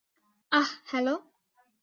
আহ, hello?